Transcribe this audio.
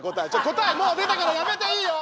答えもう出たからやめていいよ！